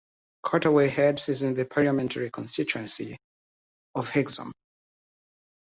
Carterway Heads is in the parliamentary constituency of Hexham.